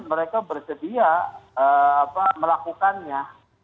mereka bersedia melakukannya